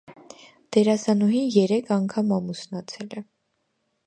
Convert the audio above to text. Դերասանուհին երեք անգամ ամուսնացել է։